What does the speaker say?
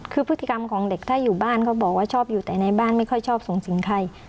คือพฤติกรรมของเด็กถ้าอยู่บ้านเขาบอกว่าชอบอยู่แต่ในบ้านไม่ค่อยชอบสูงสิงใคร